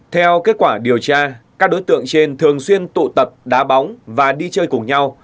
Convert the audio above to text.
theo kết quả điều tra các đối tượng trên thường xuyên tụ tập đá bóng và đi chơi cùng nhau